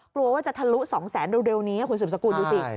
กลัวว่าจะทะลุ๒แสนเร็วนี้คุณสืบสกุลดูสิ